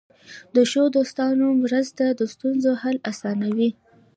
د ښو دوستانو مرسته د ستونزو حل اسانوي.